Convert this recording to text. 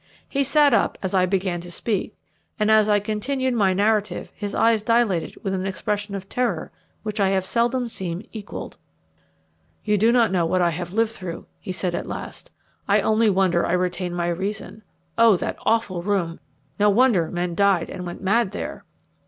He sat up as I began to speak, and as I continued my narrative his eyes dilated with an expression of terror which I have seldom seen equalled. "You do not know what I have lived through," he said at last. "I only wonder I retain my reason. Oh, that awful room! no wonder men died and went mad there!"